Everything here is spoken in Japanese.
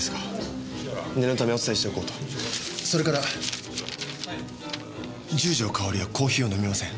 それから十条かおりはコーヒーを飲みません。